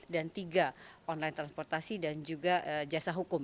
dan tiga online transportasi dan juga jasa hukum